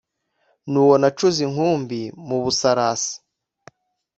N’uwo nacuze inkumbi mu Busarasi